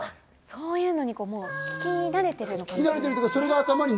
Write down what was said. そういうのを聞き慣れてるのかもしれませんね。